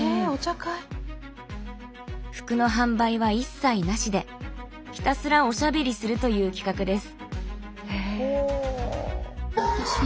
服の販売は一切なしでひたすらおしゃべりするという企画です。